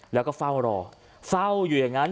แล้วก็เฝ้ารอเฝ้าอยู่อย่างนั้น